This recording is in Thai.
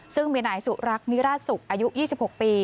ซึ่งมีนายสุรักษ์นิราชสุขอายุ๒๖ปี